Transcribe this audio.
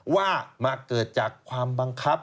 ว่ามาเกิดจากความบังคับ